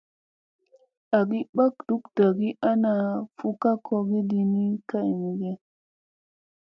Agi ɓak duk tagi ana, fu ka kogi ɗini kay mi ge.